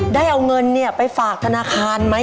ได้เอาเงินไปฝากธนาคารไหม